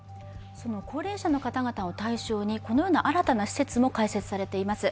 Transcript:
高齢者の方々を対象に新たな施設も開設されていまする